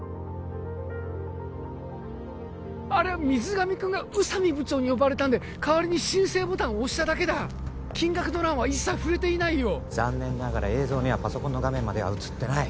あれは水上くんが宇佐美部長に呼ばれたんでかわりに申請ボタンを押しただけだ金額の欄は一切触れていないよ残念ながら映像にはパソコンの画面までは映ってない